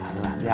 alah biasa om